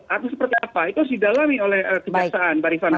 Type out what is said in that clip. artus seperti apa itu didalami oleh kejaksaan barifana